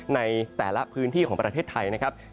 ในแต่ละพื้นที่ของประเทศไทยนะครับ